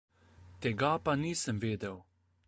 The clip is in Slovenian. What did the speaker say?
Tega pa nisem vedel.